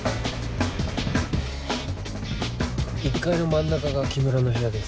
１階の真ん中が木村の部屋です。